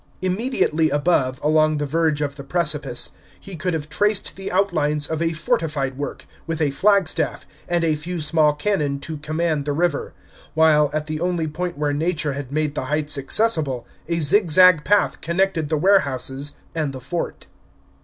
Immediately above, along the verge of the precipice, he could have traced the outlines of a fortified work, with a flagstaff, and a few small cannon to command the river; while, at the only point where Nature had made the heights accessible, a zigzag path connected the warehouses and the fort.